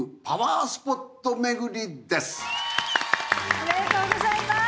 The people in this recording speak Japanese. おめでとうございます！